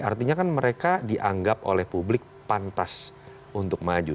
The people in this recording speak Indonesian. artinya kan mereka dianggap oleh publik pantas untuk maju